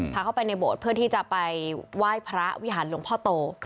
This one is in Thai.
เข้าไปในโบสถ์เพื่อที่จะไปไหว้พระวิหารหลวงพ่อโต